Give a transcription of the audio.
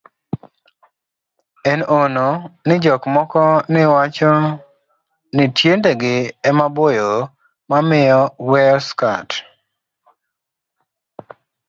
en hono ni jok moko ni wacho ni tiendegi ema boyo mamiyo weyo skat